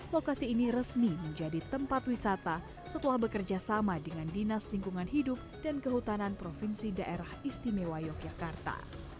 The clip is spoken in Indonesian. lokasi ini resmi menjadi tempat wisata setelah bekerja sama dengan dinas lingkungan hidup dan kehutanan provinsi daerah istimewa yogyakarta